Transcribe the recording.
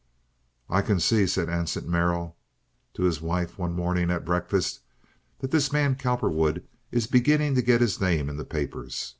"I see," said Anson Merrill to his wife, one morning at breakfast, "that this man Cowperwood is beginning to get his name in the papers."